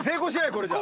これじゃ。